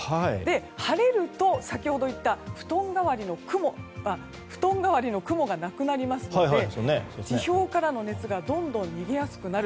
晴れると、先ほど言った布団代わりの雲がなくなりますので地表からの熱がどんどん逃げやすくなる。